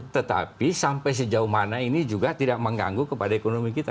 tetapi sampai sejauh mana ini juga tidak mengganggu kepada ekonomi kita